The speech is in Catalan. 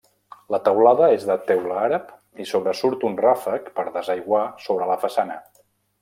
La teulada és de teula àrab i sobresurt un ràfec per desaiguar sobre la façana.